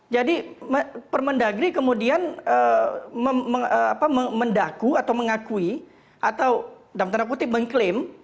jadi permendagri kemudian mendaku atau mengakui atau dalam tanda kutip mengklaim